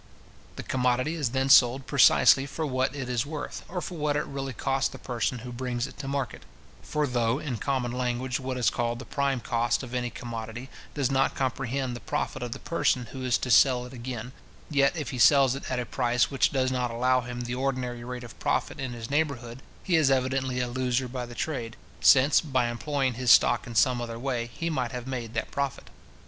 The commodity is then sold precisely for what it is worth, or for what it really costs the person who brings it to market; for though, in common language, what is called the prime cost of any commodity does not comprehend the profit of the person who is to sell it again, yet, if he sells it at a price which does not allow him the ordinary rate of profit in his neighbourhood, he is evidently a loser by the trade; since, by employing his stock in some other way, he might have made that profit.